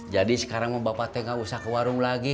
jadi sekarang mau bapak teh gak usah ke warung lagi